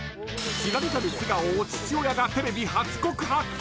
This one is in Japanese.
知られざる素顔を父親がテレビ初告白］